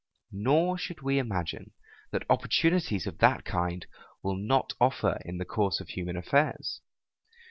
Nor should we imagine that opportunities of that kind will not offer in the course of human affairs.